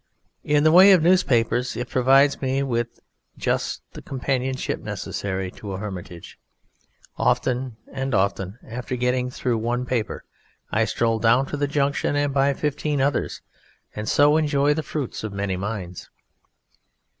In the way of newspapers it provides me with just the companionship necessary to a hermitage. Often and often, after getting through one paper, I stroll down to the junction and buy fifteen others, and so enjoy the fruits of many minds.